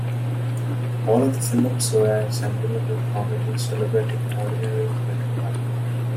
All of the films were sentimental comedies celebrating ordinary American life.